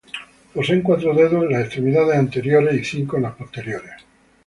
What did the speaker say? Poseen cuatro dedos en las extremidades anteriores y cinco en las posteriores.